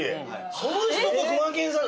その人とクマケンさん。